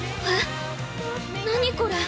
◆何これ？